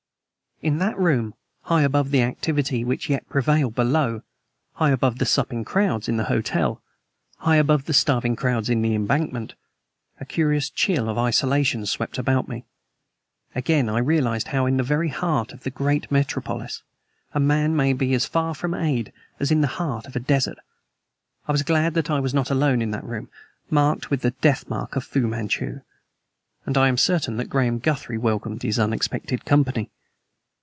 In that room, high above the activity which yet prevailed below, high above the supping crowds in the hotel, high above the starving crowds on the Embankment, a curious chill of isolation swept about me. Again I realized how, in the very heart of the great metropolis, a man may be as far from aid as in the heart of a desert. I was glad that I was not alone in that room marked with the death mark of Fu Manchu; and I am certain that Graham Guthrie welcomed his unexpected company.